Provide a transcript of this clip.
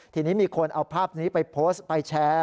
ทีนี้มีคนเอาภาพนี้ไปโพสต์ไปแชร์